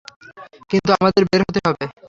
কিন্তু আমাদের বের হতে হবে।